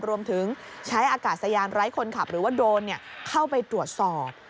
รวมถึงใช้อากาศยานไร้คนขับหรือว่าโดรนเข้าไปตรวจสอบ